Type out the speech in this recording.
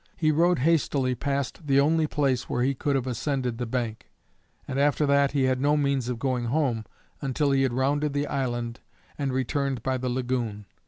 He rode hastily past the only place where he could have ascended the bank, and after that he had no means of going home until he had rounded the island and returned by the lagoon.